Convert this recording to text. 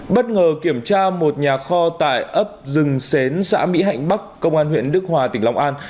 bất ngờ kiểm tra một nhà kho tại ấp rừng xến xã mỹ hạnh bắc công an huyện đức hòa tỉnh long an